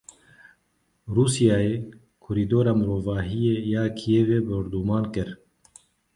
Rûsyayê korîdora mirovahî ya Kievê bordûman kir.